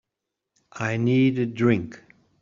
I need a drink.